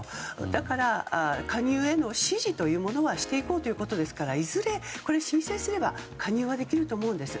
だから加入への支持というものはしていこうということですからいずれ、申請すれば加入はできると思うんです。